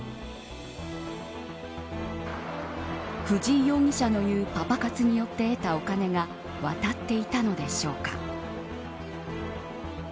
藤井容疑者の言うパパ活によって得たお金が渡っていたのでしょうか。